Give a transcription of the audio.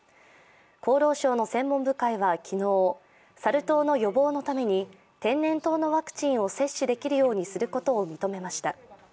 厚労省の専門部会は昨日サル痘の予防のために天然痘のワクチンを接種できるようにすることを認めました。